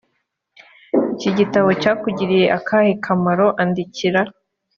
iki gitabo cyakugiriye akahe kamaro andikira